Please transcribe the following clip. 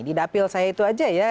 di dapil saya itu aja ya